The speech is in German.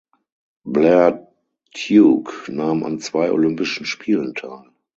Blair Tuke nahm an zwei Olympischen Spielen teil.